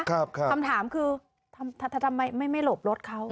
คำถามคือทำไมไม่หลบรถเขา